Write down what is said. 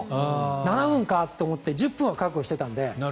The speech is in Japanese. ７分かと思って１０分は覚悟していたので。